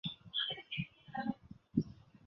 塑料垃圾已经飘至每一个海洋。